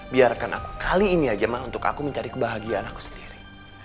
biarkan aku kali ini aja mah untuk aku mencari kebahagiaan aku sendiri